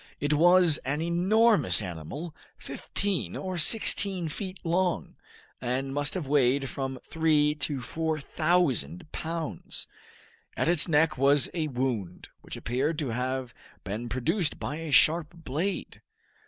It was an enormous animal, fifteen or sixteen feet long, and must have weighed from three to four thousand pounds. At its neck was a wound, which appeared to have been produced by a sharp blade.